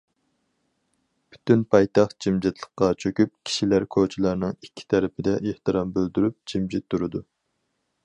پۈتۈن پايتەخت جىمجىتلىققا چۆكۈپ، كىشىلەر كوچىلارنىڭ ئىككى تەرىپىدە ئېھتىرام بىلدۈرۈپ جىمجىت تۇرىدۇ.